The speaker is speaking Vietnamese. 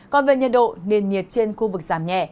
còn về nhiệt độ nền nhiệt trên khu vực giảm nhẹ